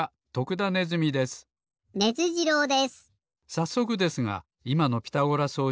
さっそくですがいまのピタゴラ装置